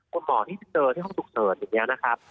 คนหมอที่เจอที่ห้องตรวจโรคอย่างนี้นะครับ